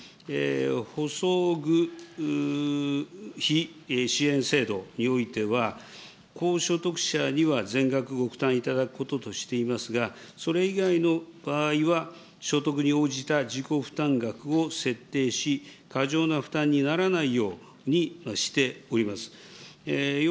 補装具費支援制度においては、高所得者には全額ご負担いただくこととしておりますが、それ以外の場合は、所得に応じた自己負担額を設定し、過剰な負担にならないようにしております。